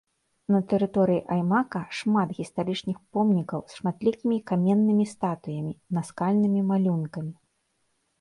На тэрыторыі аймака шмат гістарычных помнікаў з шматлікімі каменнымі статуямі, наскальнымі малюнкамі.